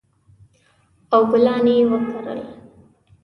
او ګلان یې وکرل